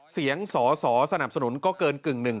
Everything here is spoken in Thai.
เสียงสอสอสนับสนุนก็เกินกึ่งหนึ่ง